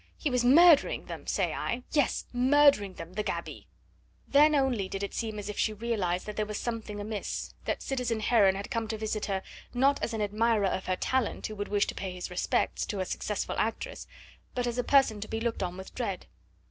He was murdering them, say I yes, murdering them the gaby!" Then only did it seem as if she realised that there was something amiss, that citizen Heron had come to visit her, not as an admirer of her talent who would wish to pay his respects to a successful actress, but as a person to be looked on with dread.